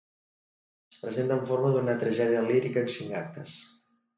Es presenta en forma d'una tragèdia lírica en cinc actes.